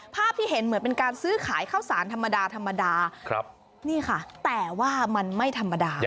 ภาพที่เห็นเหมือนเป็นการซื้อขายข้าวสารธรรมดาธรรมดานี่ค่ะแต่ว่ามันไม่ธรรมดา